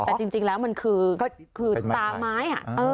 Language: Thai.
แต่จริงแล้วมันคือตาไม้